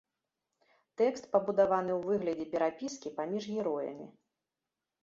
Тэкст пабудаваны ў выглядзе перапіскі паміж героямі.